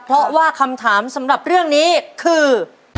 เพราะว่าคำถามสำหรับเรื่องนี้คือ